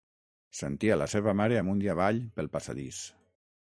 Sentia la seva mare amunt i avall pel passadís.